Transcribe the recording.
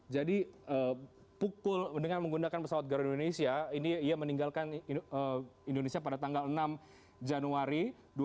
jadi dengan menggunakan pesawat garun indonesia ini ia meninggalkan indonesia pada tanggal enam januari dua ribu dua puluh